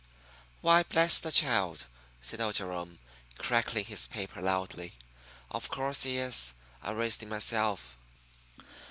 "Why, bless the child!" said old Jerome, crackling his paper loudly; "of course he is. I raised him myself."